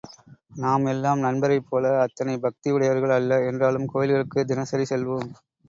நாம் எல்லாம் நண்பரைப் போல அத்தனை பக்தி உடையவர்கள் அல்ல என்றாலும் கோயில்களுக்குத் தினசரி செல்வோம்.